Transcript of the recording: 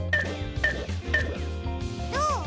どう？